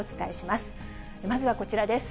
まずはこちらです。